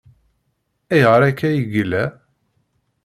Ayɣer akka i yella?